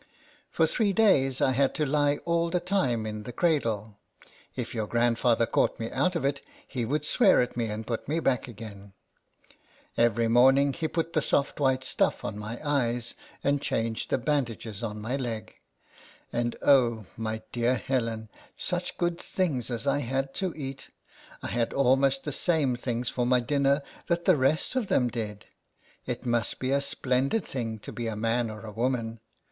For three days I had to lie all the time in the cradle : if your grandfather caught me out of it, he would swear at me, and put me back again. LETTERS FROM A CAT. 79 Every morning he put the soft white stuff on my eyes, and changed the bandages on my leg. And, oh, my dear Helen, such good things as I had to eat! I had almost the same things for my dinner that the rest of them did : it must be a splendid thing to be a man or a woman